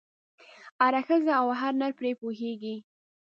هره ښځه او هر نر پرې پوهېږي.